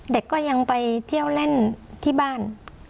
เด็กก็ยังไปเที่ยวเล่นที่บ้าน